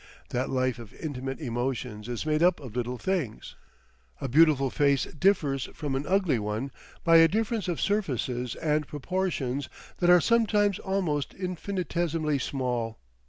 That life of intimate emotions is made up of little things. A beautiful face differs from an ugly one by a difference of surfaces and proportions that are sometimes almost infinitesimally small.